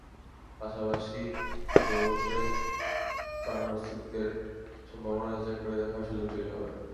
পাশাপাশি সেরিসে প্রাণের অস্তিত্বের সম্ভাবনাও যাচাই করে দেখার সুযোগ তৈরি হবে।